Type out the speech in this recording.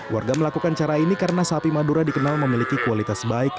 warga melakukan cara ini karena sapi madura dikenal memiliki kualitas baik